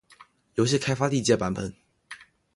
游戏开发历届版本